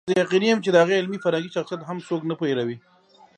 زه یقیني یم چې د هغه علمي فرهنګي شخصیت هم څوک نه هېروي.